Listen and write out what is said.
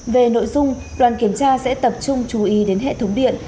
về nội dung đoàn kiểm tra sẽ tập trung chú ý đến hệ thống điện